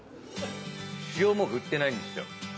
塩も振ってないんですよ。